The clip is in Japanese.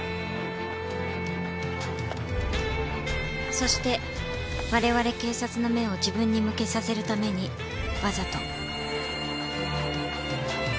そして我々警察の目を自分に向けさせるためにわざと。